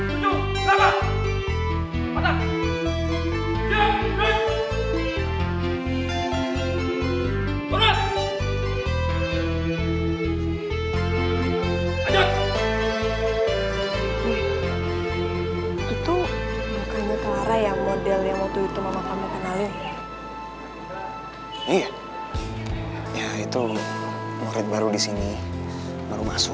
iya ya itu murid baru disini baru maksud